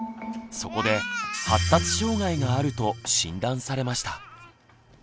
そこで発達障害があると診断されました。